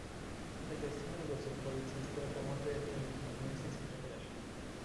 El destino de los Enforcers tras la muerte del Cráneo permanecen sin revelar.